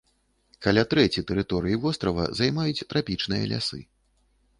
Каля трэці тэрыторыі вострава займаюць трапічныя лясы.